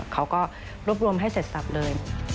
เขาก็รวบรวมให้เสร็จสับเลย